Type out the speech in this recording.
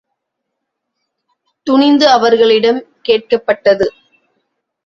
துணிந்து அவர்களிடம் கேட்கப்பட்டது.